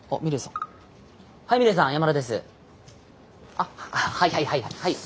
あっはいはいはいはい。